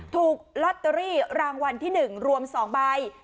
ถูกลอตเตอรี่รางวัลที่๑รวม๒ใบ